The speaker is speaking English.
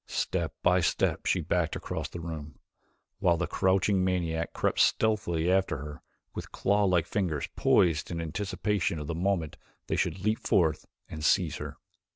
Step by step she backed across the room, while the crouching maniac crept stealthily after her with claw like fingers poised in anticipation of the moment they should leap forth and seize her.